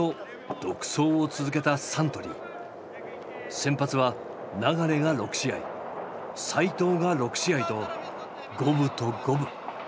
先発は流が６試合齋藤が６試合と五分と五分。